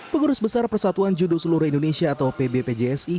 pengurus besar persatuan judo seluruh indonesia atau pbpjsi